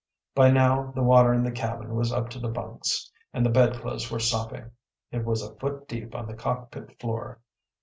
By now the water in the cabin was up to the bunks, and the bed clothes were sopping. It was a foot deep on the cockpit floor.